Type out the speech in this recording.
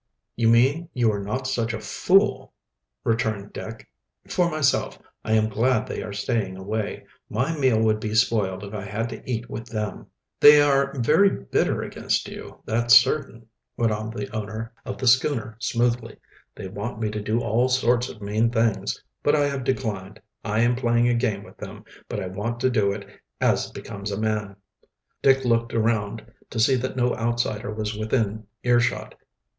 "You mean you are not such a fool," returned Dick. "For myself, I am glad they are staying away. My meal would be spoiled if I had to eat with them." "They are very bitter against you, that's certain," went on the owner of the schooner smoothly. "They want me to do all sorts of mean things. But I have declined. I am playing a game with them, but I want to do it as becomes a man." Dick looked around, to see that no outsider was within earshot.